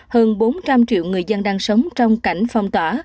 hơn bốn trăm linh triệu người dân đang sống trong cảnh phong tỏa